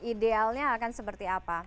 idealnya akan seperti apa